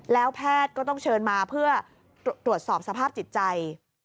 แล้วแพทย์ก็ต้องเชิญมาเพื่อตรวจสอบสภาพจิตใจ